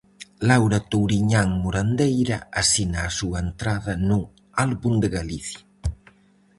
Laura Touriñán Morandeira asina a súa entrada no "Álbum de Galicia".